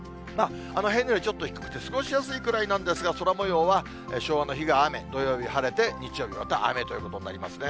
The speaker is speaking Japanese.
平年よりちょっと低くて過ごしやすいくらいなんですが、空もようは、昭和の日が雨、土曜日晴れて、日曜日また雨ということになりますね。